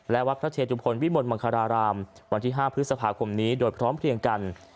และวัดพระเชตุพลวิมลมังคารารามวันที่๕พฤษภาคมนี้โดยพร้อมเพลียงกัน